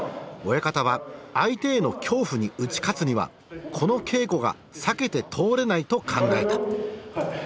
親方は相手への恐怖に打ち勝つにはこの稽古が避けて通れないと考えた。